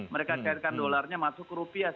mereka cairkan dolarnya masuk ke rupiah